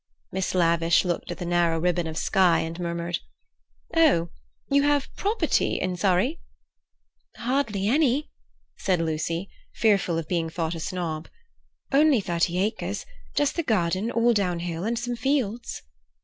Miss Lavish looked at the narrow ribbon of sky, and murmured: "Oh, you have property in Surrey?" "Hardly any," said Lucy, fearful of being thought a snob. "Only thirty acres—just the garden, all downhill, and some fields."